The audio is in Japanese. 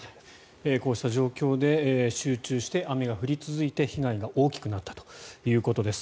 こうした状況で集中して雨が降り続いて被害が大きくなったということです。